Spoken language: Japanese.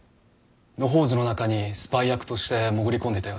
野放図の中にスパイ役として潜り込んでたようです。